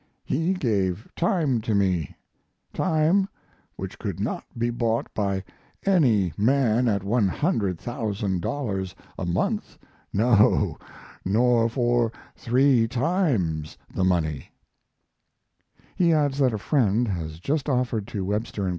He gave time to me time, which could not be bought by any man at $100,000 a month no, nor for three times the money. He adds that a friend has just offered to Webster & Co.